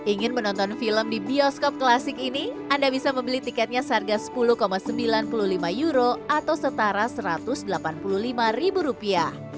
ingin menonton film di bioskop klasik ini anda bisa membeli tiketnya seharga sepuluh sembilan puluh lima euro atau setara rp satu ratus delapan puluh lima